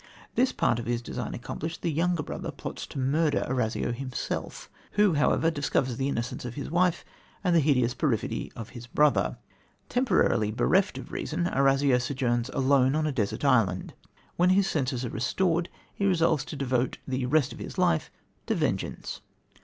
This part of his design accomplished, the younger brother plots to murder Orazio himself, who, however, discovers the innocence of his wife and the hideous perfidy of his brother. Temporarily bereft of reason, Orazio sojourns alone on a desert island. When his senses are restored, he resolves to devote the rest of his life to vengeance.